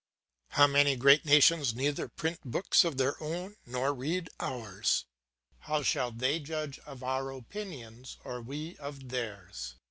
"How many great nations neither print books of their own nor read ours! How shall they judge of our opinions, or we of theirs?